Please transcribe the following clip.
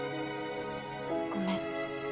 ごめん。